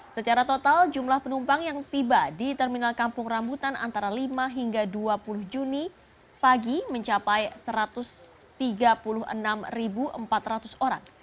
secara total jumlah penumpang yang tiba di terminal kampung rambutan antara lima hingga dua puluh juni pagi mencapai satu ratus tiga puluh enam empat ratus orang